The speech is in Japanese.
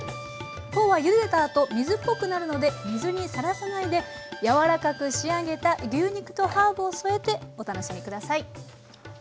フォーはゆでたあと水っぽくなるので水にさらさないで柔らかく仕上げた牛肉とハーブを添えてお楽しみ下さい。